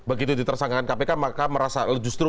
begitu ditersangkakan kpk maka merasa justru